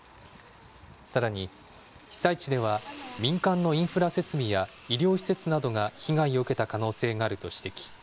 さらに、被災地では民間のインフラ設備や医療施設などが被害を受けた可能性があると指摘。